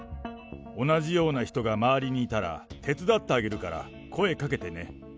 同じような人が周りにいたら、手伝ってあげるから声かけてね。